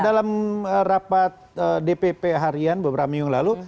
dalam rapat dpp harian beberapa minggu lalu